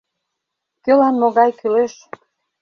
Кӧлан могай кӱлеш.